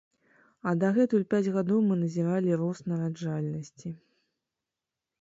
А дагэтуль пяць гадоў мы назіралі рост нараджальнасці.